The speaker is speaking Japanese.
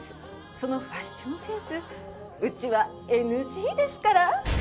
そのファッションセンスうちはＮＧですから。